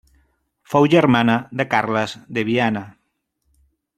Fou germana de Carles de Viana.